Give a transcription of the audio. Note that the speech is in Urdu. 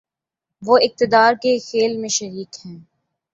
وہ اقتدار کے کھیل میں شریک ہیں۔